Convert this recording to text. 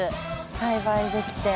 栽培できて。